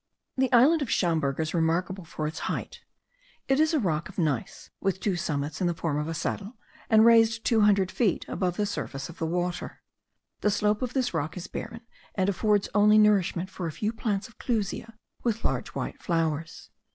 The island of Chamberg is remarkable for its height. It is a rock of gneiss, with two summits in the form of a saddle, and raised two hundred feet above the surface of the water. The slope of this rock is barren, and affords only nourishment for a few plants of clusia with large white flowers.